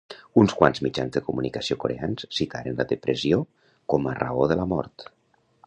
Uns quants mitjans de comunicació coreans citaren la depressió com a raó de la mort.